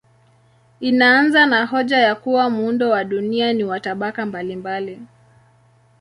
Inaanza na hoja ya kuwa muundo wa dunia ni wa tabaka mbalimbali.